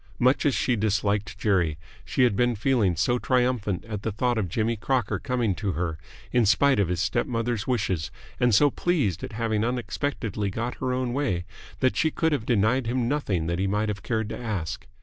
Much as she disliked Jerry, she had been feeling so triumphant at the thought of Jimmy Crocker coming to her in spite of his step mother's wishes and so pleased at having unexpectedly got her own way that she could have denied him nothing that he might have cared to ask.